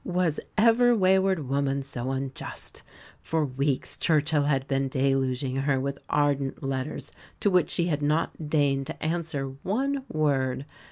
Was ever wayward woman so unjust? For weeks Churchill had been deluging her with ardent letters, to which she had not deigned to answer one word.